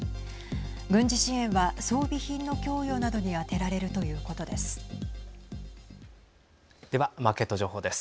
軍事支援は装備品の供与などに充てられるということです。